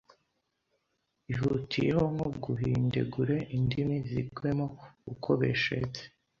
ihutiyeho nko guhindegure indimi zigwemo uko beshetse,